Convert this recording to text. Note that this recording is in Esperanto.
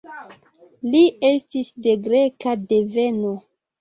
Li estis de greka deveno.